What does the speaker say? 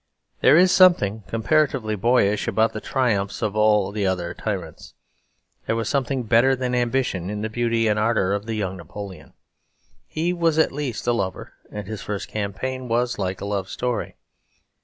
There is something comparatively boyish about the triumphs of all the other tyrants. There was something better than ambition in the beauty and ardour of the young Napoleon. He was at least a lover; and his first campaign was like a love story.